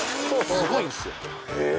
すごいんですよ。